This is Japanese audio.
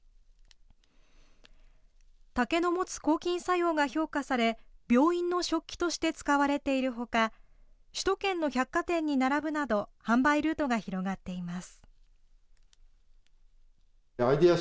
竹の持つ抗菌作用が評価され、病院の食器として使われているほか、首都圏の百貨店に並ぶなど、販売ルートが広がっています。